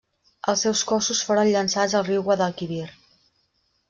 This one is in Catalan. Els seus cossos foren llençats al riu Guadalquivir.